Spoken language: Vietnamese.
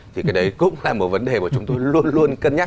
thì cái đấy cũng là một vấn đề mà chúng tôi luôn luôn cân nhắc